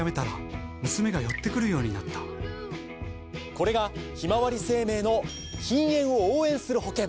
これがひまわり生命の禁煙を応援する保険！